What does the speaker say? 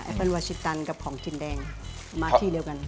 เป็นวาชิตันกับของกินแดงมาที่เดียวกัน